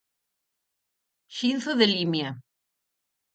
Xinzo de Limia.